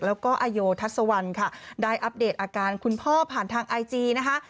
แล้วก็อโยทัศวรรณค่ะได้อัปเดตอาการคุณพ่อผ่านทางไอจีนะคะ